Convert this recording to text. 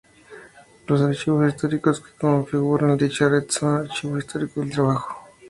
Los Archivos Históricos que configuran dicha Red son: Archivo Histórico del Trabajo.